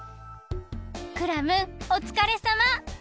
クラムおつかれさま。